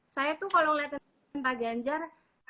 saya tuh kalau ngeliatin pak ganjar